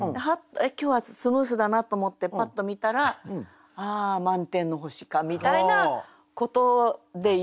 今日はスムーズだなと思ってパッと見たら「ああ満天の星か」みたいなことでよろしいんでしょうかね。